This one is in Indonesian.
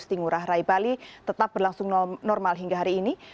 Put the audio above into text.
isti ngurah rai bali tetap berlangsung normal hingga hari ini